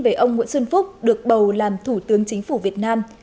về ông nguyễn xuân phúc được bầu làm thủ tướng chính phủ việt nam